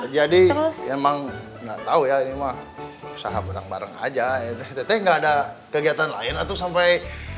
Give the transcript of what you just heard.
jadi emang enggak tahu ya ini mah usaha berang bareng aja enggak ada kegiatan lain atau sampai